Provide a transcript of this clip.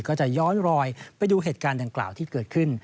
ก็จะย้อนรอยไปดูเหตุการณ์ดังกล่าวที่เกิดขึ้น